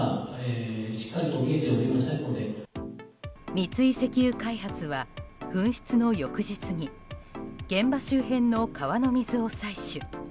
三井石油開発は噴出の翌日に現場周辺の川の水を採取。